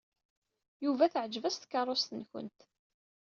Yuba teɛjeb-as tkeṛṛust-nwent.